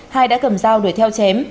hai đã cầm dao đuổi theo chém